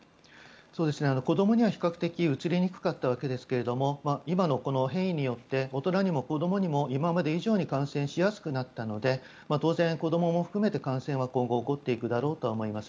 子どもには比較的うつりにくかったわけですけど今の変異によって大人にも子どもにも今まで以上に感染しやすくなったので当然、子どもも含めて感染は今後起こっていくだろうと思います。